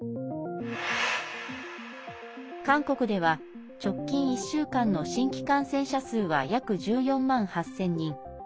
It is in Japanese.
韓国では直近１週間の新規感染者数は約１４万８０００人。